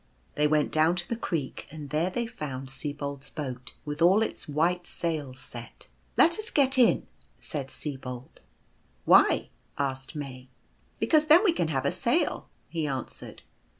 They went down to the creek; and there they found SibokTs boat with all its white sails set. " Let us get in," said Sibold. " Why ?" asked May. " Because then we can have a sail," he answered.